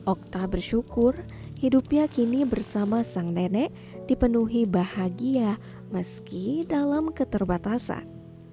okta bersyukur hidupnya kini bersama sang nenek dipenuhi bahagia meski dalam keterbatasan